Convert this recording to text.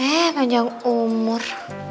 eh panjang umur